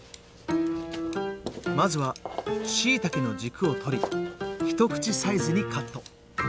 まずはしいたけの軸を取り一口サイズにカット。